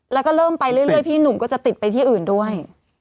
แล้วก็เริ่มไปเรื่อยพี่หนุ่มก็จะติดไปที่อื่นด้วย